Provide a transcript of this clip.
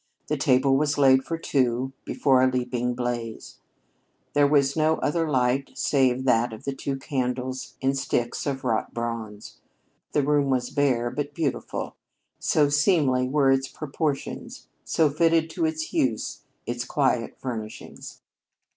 The table was laid for two before a leaping blaze. There was no other light save that of two great candles in sticks of wrought bronze. The room was bare but beautiful so seemly were its proportions, so fitted to its use its quiet furnishings.